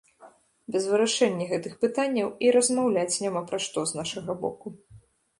Без вырашэння гэтых пытанняў і размаўляць няма пра што, з нашага боку.